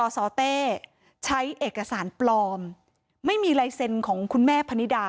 สเต้ใช้เอกสารปลอมไม่มีลายเซ็นต์ของคุณแม่พนิดา